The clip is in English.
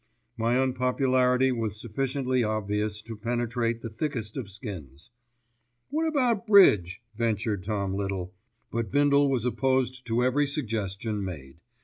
My unpopularity was sufficiently obvious to penetrate the thickest of skins. "What about bridge?" ventured Tom Little. But Bindle was opposed to every suggestion made.